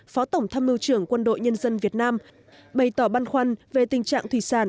phó tổng tham mưu trưởng quân đội nhân dân việt nam bày tỏ băn khoăn về tình trạng thủy sản